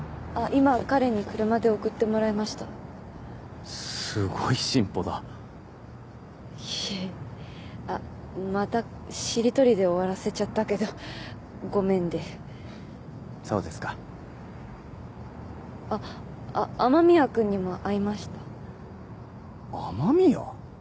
今彼に車で送ってもらいましたすごい進歩だいえあっまたしりとりで終わらせちゃったけど「ごめん」でそうですかあっ雨宮君にも会いました雨宮？